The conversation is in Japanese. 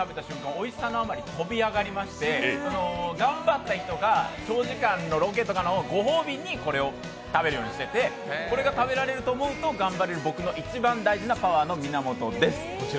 おいしさのあまり飛び上がって、頑張った日とか長時間のロケとかのご褒美にこれを食べるようにしてて、これが食べられると思うと頑張れる僕の一番大事なパワーの源です。